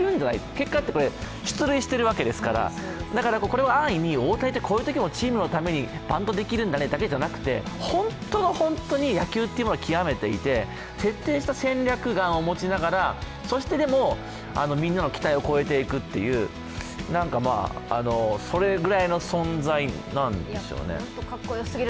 結果、出塁しているわけですから、安易に大谷ってこういうときにバントできるんだねだけじゃなくて、本当の本当に野球というものを極めていて設定した戦略眼を持ちながら、みんなの期を超えていくというそれぐらいの存在なんでしょうね。